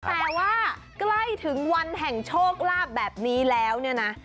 แต่ว่าใกล้ถึงวันแห่งโชคลาภแบบนี้แล้วเนี่ยนะ